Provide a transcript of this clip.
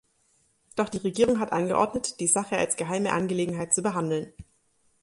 Doch die Regierung hat angeordnet, die Sache als geheime Angelegenheit zu behandeln.